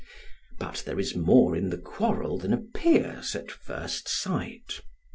But there is more in the quarrel than appears at first sight.